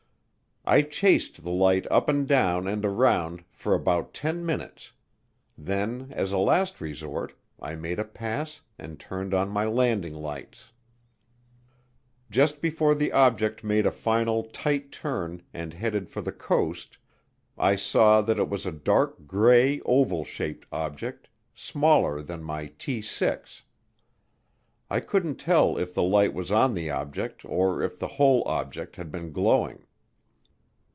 I chased the light up and down and around for about 10 minutes, then as a last resort I made a pass and turned on my landing lights. Just before the object made a final tight turn and headed for the coast I saw that it was a dark gray oval shaped object, smaller than my T 6. I couldn't tell if the light was on the object or if the whole object had been glowing.